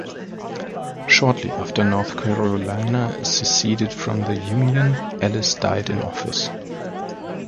Shortly after North Carolina seceded from the Union, Ellis died in office.